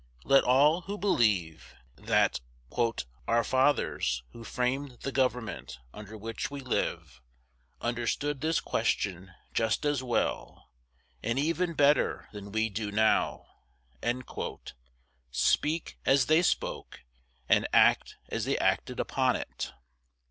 Let all who believe that "our fathers, who framed the government under which we live, understood this question just as well, and even better than we do now," speak as they spoke, and act as they acted upon it.